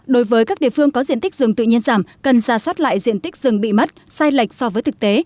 đối với các địa phương có diện tích rừng tự nhiên giảm cần ra soát lại diện tích rừng bị mất sai lệch so với thực tế